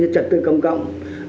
trật tựa công cộng